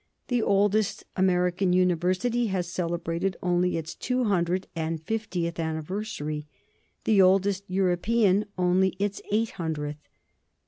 The oldest American university has celebrated only its two hundred and fiftieth anniversary, the oldest Euro pean only its eight hundredth.